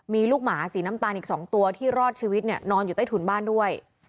มีลูกหมาสีน้ำตาลอีก๒ตัวที่รอดชีวิตเนี่ยนอนอยู่ใต้ถุนบ้านด้วย